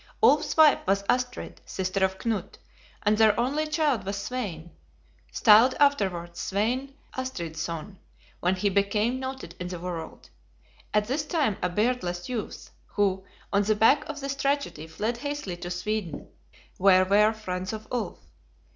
Ulf's wife was Astrid, sister of Knut, and their only child was Svein, styled afterwards "Svein Estrithson" ("Astrid son") when he became noted in the world, at this time a beardless youth, who, on the back of this tragedy, fled hastily to Sweden, where were friends of Ulf.